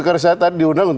karena saya tadi diundang